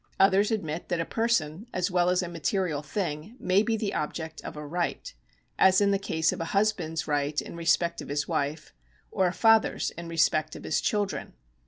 Others admit that a person, as well as a material thing, may be the object of a right ; as in the case of a husband's right in respect of his wife, or a father's in respect of his children.